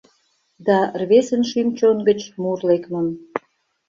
Да рвезын шӱм-чон гыч мур лекмым